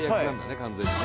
完全にね。